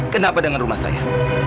kenapa dengan rumah saya